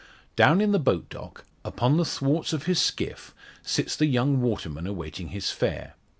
Down in the boat dock, upon the thwarts of his skiff, sits the young waterman awaiting his fare.